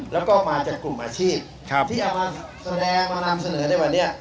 แล้วก็มาจากกลุ่มอาชีพที่อยากมาแสดงมานำเสนอในวันนี้